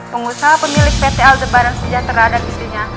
pengusaha pemilik pt aldebaran sejahtera dan istrinya